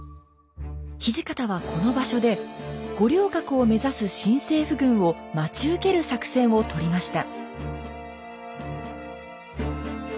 土方はこの場所で五稜郭を目指す新政府軍を待ち受ける作戦をとりました。